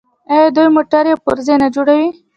آیا دوی موټرې او پرزې نه جوړوي؟